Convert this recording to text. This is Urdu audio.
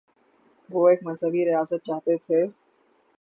وہ ایک مذہبی ریاست چاہتے تھے؟